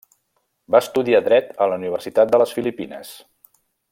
Va estudiar dret a la Universitat de les Filipines.